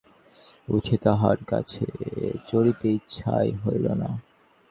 কিন্তু আশ্চর্য এই, সেদিন সকালে উঠিয়াতাহার গাছে চড়িতে ইচ্ছাই হইল না।